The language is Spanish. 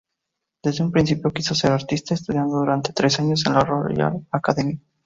Desde un principio quiso ser artista, estudiando durante tres años en la Royal Academy.